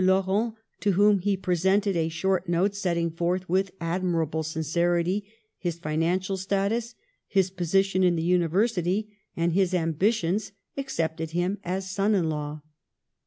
Laurent, to whom he pre sented a short note setting forth, with admira ble sincerity, his financial status, his position in the University and his ambitions, accepted him as son in law.